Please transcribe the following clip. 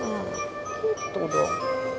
ya itu dong